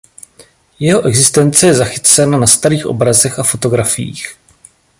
Jeho existence je zachycena na starých obrazech a fotografiích.